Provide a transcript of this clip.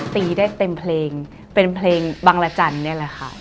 ตีได้เต็มเพลงเป็นเพลงบังรจันทร์นี่แหละค่ะ